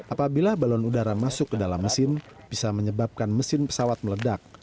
apabila balon udara masuk ke dalam mesin bisa menyebabkan mesin pesawat meledak